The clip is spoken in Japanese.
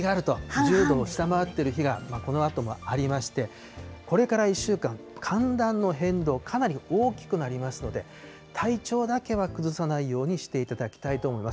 １０度を下回っている日が、このあともありまして、これから１週間、寒暖の変動、かなり大きくなりますので、体調だけは崩さないようしていただきたいと思います。